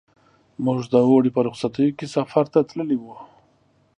موږ د اوړي په رخصتیو کې سفر ته تللي وو.